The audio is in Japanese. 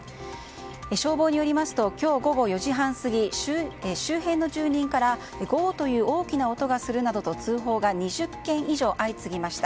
消防によりますと今日午後４時半過ぎ周辺の住人からゴーという大きな音がすると通報が２０件以上相次ぎました。